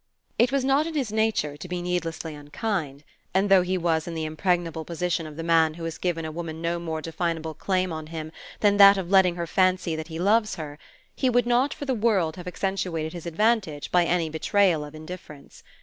It was not in his nature to be needlessly unkind; and though he was in the impregnable position of the man who has given a woman no more definable claim on him than that of letting her fancy that he loves her, he would not for the world have accentuated his advantage by any betrayal of indifference.